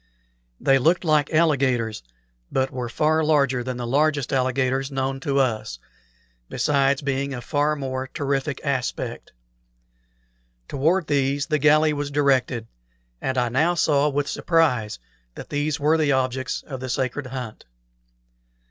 They looked like alligators, but were far larger than the largest alligators known to us, besides being of far more terrific aspect. Toward these the galley was directed, and I now saw with surprise that these were the objects of the sacred hunt.